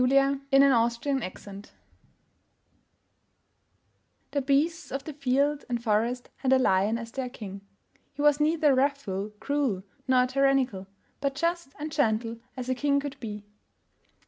The Kingdom of the Lion THE BEASTS of the field and forest had a Lion as their king. He was neither wrathful, cruel, nor tyrannical, but just and gentle as a king could be.